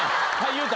言うた。